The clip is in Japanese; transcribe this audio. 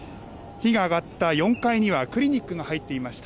火が上がった４階には、クリニックが入っていました。